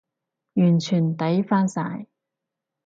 完全抵返晒